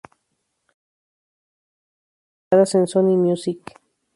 La mayoría de las bandas fueron reubicadas en Sony Music.